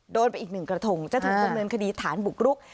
โดนไปอีกหนึ่งกระทงจะถูกดำเนินคดีฐานบุกรุก